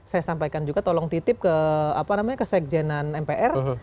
saya sampaikan juga tolong titip ke sekjenan mpr